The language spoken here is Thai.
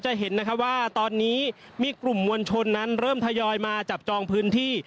จะเห็นนะคะว่าตอนนี้มีกลุ่มมวลชนนั้นเริ่มทยอยมาจับจองพื้นที่